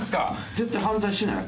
絶対犯罪しない？